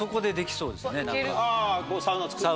あサウナ作って。